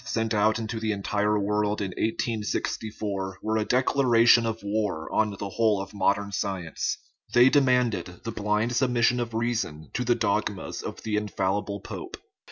sent out into the entire world in 1864 were a declaration of war on the whole of modern science; they demanded the blind submission of rea son to the dogmas of the infallible pope.